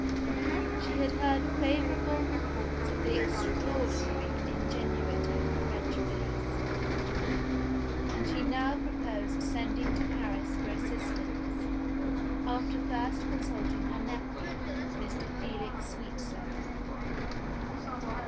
She had heard favorable reports of the extraordinary ingenuity of the French police; and she now proposed sending to Paris for assistance, after first consulting her nephew, Mr. Felix Sweetsir.